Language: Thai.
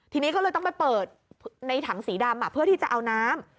ทีนี้ก็เลยต้องไปเปิดในถังสีดำเพื่อที่จะเอาน้ำ